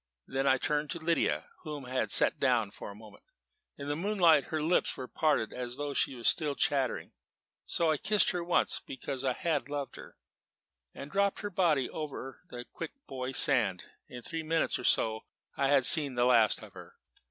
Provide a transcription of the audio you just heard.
Then I turned to Lydia, whom I had set down for the moment. In the moonlight her lips were parted as though she were still chattering; so I kissed her once, because I had loved her, and dropped her body over into the Quick Boy Sand. In three minutes or so I had seen the last of her.